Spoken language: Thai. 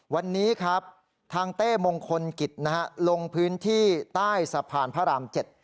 วันนี้ครับทางเต้มงคลกิจนะฮะลงพื้นที่ใต้สะพานพระราม๗